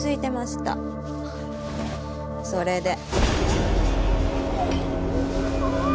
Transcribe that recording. それで。